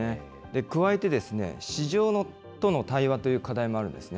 加えて、市場との対話という課題もあるんですね。